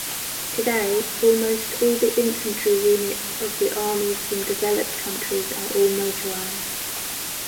Today, almost all the infantry units of the armies from developed countries are all motorized.